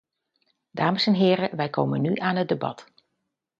Dames en heren, wij komen nu aan het debat.